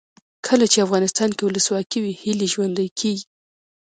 کله چې افغانستان کې ولسواکي وي هیلې ژوندۍ کیږي.